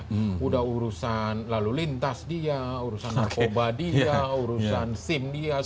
sudah urusan lalu lintas dia urusan narkoba dia urusan sim dia